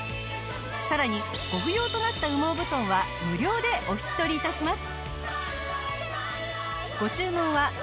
さらにご不要となった羽毛布団は無料でお引き取り致します。